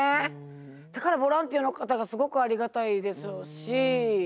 だからボランティアの方がすごくありがたいでしょうし。